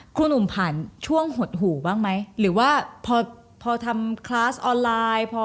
ครูหนุ่มผ่านช่วงหดหูบ้างไหมหรือว่าพอทำคลาสออนไลน์